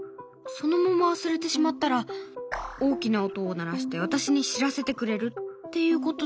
そのまま忘れてしまったら大きな音を鳴らして私に知らせてくれるっていうことなんだけど。